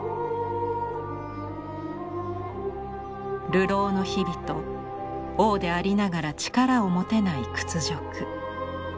流浪の日々と王でありながら力を持てない屈辱。